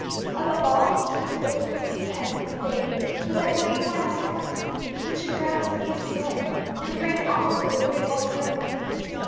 Above all, they looked every day for that great final summons which should rouse the quick and dead, and arraign all before the great white throne.